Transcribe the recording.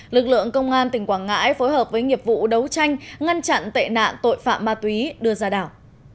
lực lượng công an tỉnh quảng ngãi phối hợp với nghiệp vụ đấu tranh ngăn chặn tệ nạn tội phạm ma túy đưa ra đảo